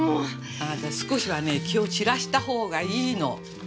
あなた少しはね気を散らした方がいいの。